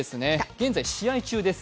現在、試合中です